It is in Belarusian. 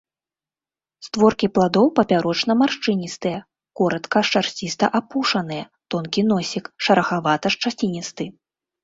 Створкі пладоў папярочна-маршчыністыя, коратка шарсціста-апушаныя, тонкі носік, шарахавата-шчаціністы.